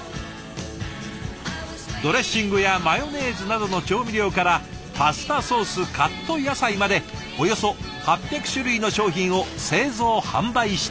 ドレッシングやマヨネーズなどの調味料からパスタソースカット野菜までおよそ８００種類の商品を製造販売しています。